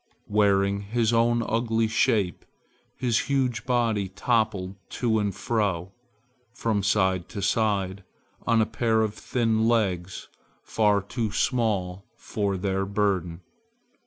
Wearing his own ugly shape, his huge body toppled to and fro, from side to side, on a pair of thin legs far too small for their burden.